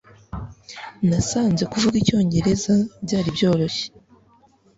Nasanze kuvuga icyongereza byari byoroshye